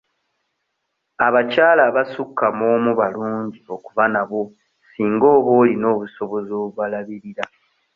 Abakyala abasukka mu omu balungi okuba nabo singa oba olina obusobozi obubalabirira.